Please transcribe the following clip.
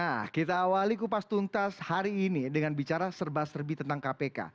nah kita awali kupas tuntas hari ini dengan bicara serba serbi tentang kpk